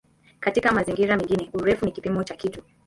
Katika mazingira mengine "urefu" ni kipimo cha kitu.